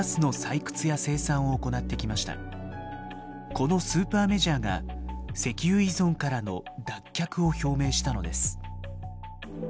このスーパーメジャーが石油依存からの脱却を表明したのです。